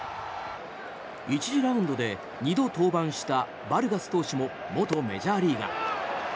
１次ラウンドで２度登板したバルガス投手も元メジャーリーガー。